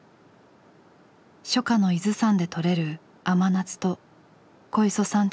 初夏の伊豆山で採れる甘夏と小磯さん